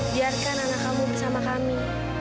biarkan anak kamu bersama kami